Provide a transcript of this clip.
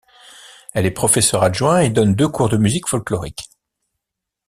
Elle est professeur adjoint et donne deux cours de musique folklorique.